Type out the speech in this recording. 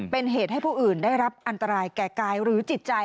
เป็นเหตุให้ผู้อื่นได้รับอันตรายแก่กายหรือจิตใจ